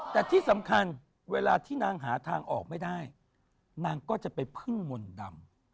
แต่ที่สำคัญเวลาที่นางหาทางออกไม่ได้นางก็จะไปพึ่งมนต์ดำ